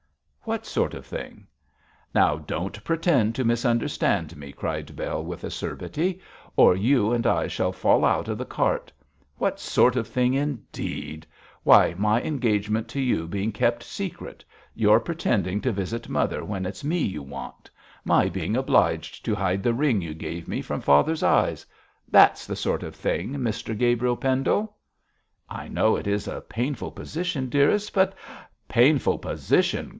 'What sort of thing?' 'Now, don't pretend to misunderstand me,' cried Bell, with acerbity, 'or you and I shall fall out of the cart. What sort of thing indeed! Why, my engagement to you being kept secret; your pretending to visit mother when it's me you want; my being obliged to hide the ring you gave me from father's eyes; that's the sort of thing, Mr Gabriel Pendle.' 'I know it is a painful position, dearest, but ' 'Painful position!'